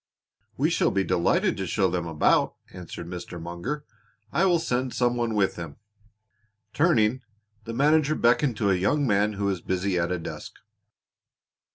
"We shall be delighted to show them about," answered Mr. Munger. "I will send some one with them." Turning, the manager beckoned to a young man who was busy at a desk.